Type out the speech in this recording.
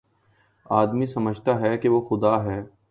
آدمی سمجھتا ہے کہ وہ خدا ہے